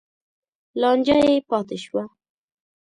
لانجه یې پاتې شوه.